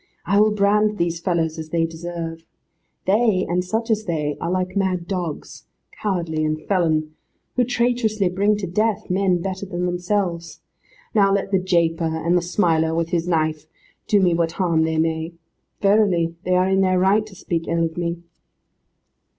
I will brand these folk as they deserve. They, and such as they, are like mad dogs cowardly and felon who traitorously bring to death men better than themselves. Now let the japer, and the smiler with his knife, do me what harm they may. Verily they are in their right to speak ill of me.